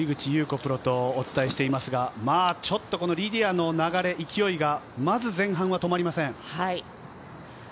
プロとお伝えしていますが、リディアの勢い、流れがまず前半は止まりません。